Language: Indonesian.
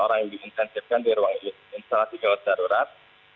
delapan orang diinsensifkan di ruang insulasi gawat darurat